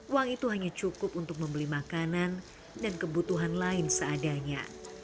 uang itu hanya cukup untuk membeli makanan dan kebutuhan lain seadanya